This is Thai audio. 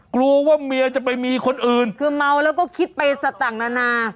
กลัวว่าเมียจะไปมีคนอื่นคือเมาแล้วก็คิดไปสต่างนานา